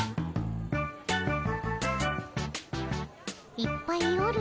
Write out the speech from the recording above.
いっぱいおるの。